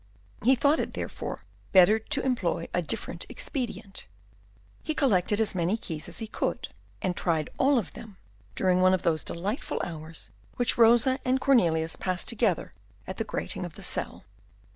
He thought it, therefore, better to employ a different expedient. He collected as many keys as he could, and tried all of them during one of those delightful hours which Rosa and Cornelius passed together at the grating of the cell.